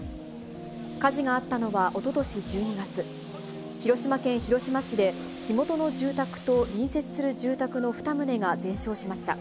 火事があったのはおととし１２月、広島県広島市で、火元の住宅と隣接する住宅の２棟が全焼しました。